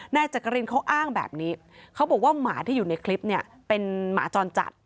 นายจักรินเขาอ้างแบบนี้เขาบอกว่าหมาที่อยู่ในคลิปเนี่ยเป็นหมาจรจัด